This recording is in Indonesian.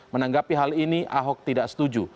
menanggapi hal ini ahok tidak setuju